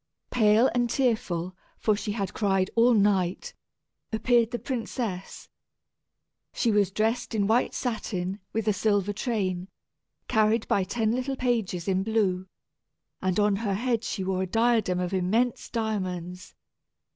Pale and tearful, for she had cried all night, appeared the princess. She was dressed in white satin, with a silver train, carried by ten little pages in blue, and on her head she wore a diadem of immense diamonds.